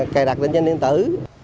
kẻ đặc biệt nhân nhân tử